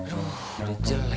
aduh udah jelek